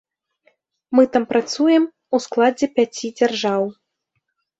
Мы там працуем у складзе пяці дзяржаў.